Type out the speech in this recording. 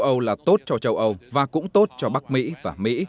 châu âu là tốt cho châu âu và cũng tốt cho bắc mỹ và mỹ